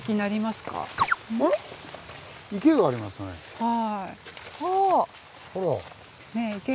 はい。